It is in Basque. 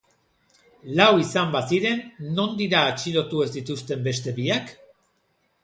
Lau izan baziren, non dira atxilotu ez dituzten beste biak?